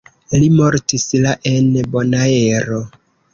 Li mortis la en Bonaero.